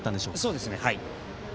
そうですね。